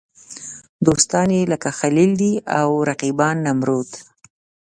دوستان یې لکه خلیل دي او رقیبان نمرود.